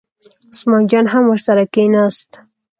عثمان جان هم ورسره کېناست.